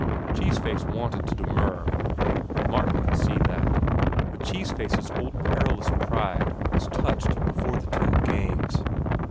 Cheese Face wanted to demur,—Martin could see that,—but Cheese Face's old perilous pride was touched before the two gangs.